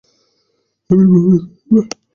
আমি বমি করবো।